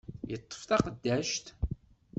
Yeṭṭef taqeddact.